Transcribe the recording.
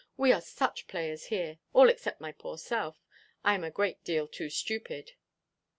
We are such players here; all except my poor self; I am a great deal too stupid."